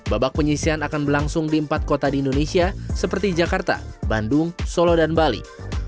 babak penyisian akan berlangsung di empat kota di indonesia seperti jakarta bandung solo dan bali